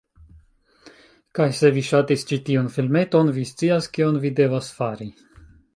Kaj se vi ŝatis ĉi tiun filmeton, vi scias kion vi devas fari.